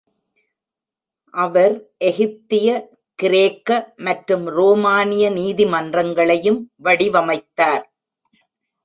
அவர் எகிப்திய, கிரேக்க மற்றும் ரோமானிய நீதிமன்றங்களையும் வடிவமைத்தார்.